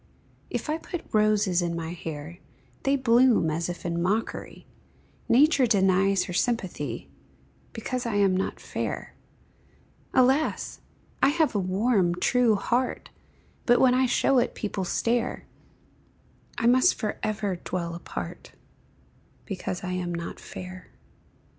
If I put roses in my hair, They bloom as if in mockery; Nature denies her sympathy, Because I am not fair; Alas! I have a warm, true heart, But when I show it people stare; I must forever dwell apart, Because I am not fair.